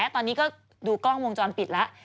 ตอนนี้ก็ดูกล้องวงจรปิดแล้ว